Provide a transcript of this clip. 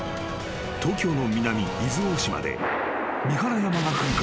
［東京の南伊豆大島で三原山が噴火］